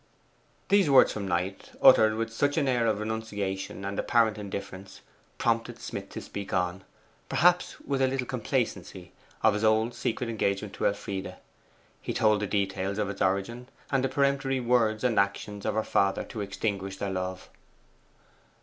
These words from Knight, uttered with such an air of renunciation and apparent indifference, prompted Smith to speak on perhaps with a little complacency of his old secret engagement to Elfride. He told the details of its origin, and the peremptory words and actions of her father to extinguish their love.